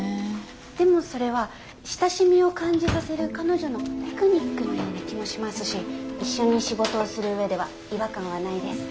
でもそれは親しみを感じさせる彼女のテクニックのような気もしますし一緒に仕事をする上では違和感はないです。